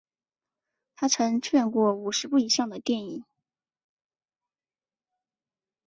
他曾出演过五十部以上的电影。